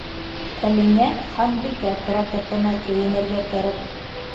Ә миңә Ханбикә крокетына кейенергә кәрәк.